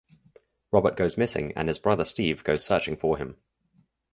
Robert goes missing and his brother Steve goes searching for him.